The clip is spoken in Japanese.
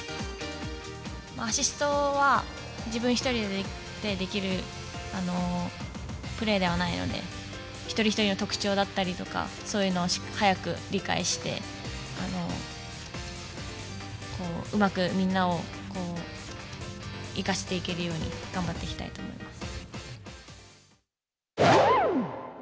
アシストは、自分一人でできるプレーではないので、一人一人の特徴だったりとか、そういうのを早く理解して、うまくみんなを生かしていけるように頑張っていきたいと思います。